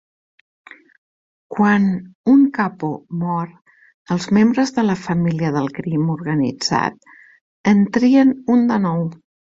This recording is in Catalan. Quan un "capo" mor, els membres de la família del crim organitzat en trien un de nou.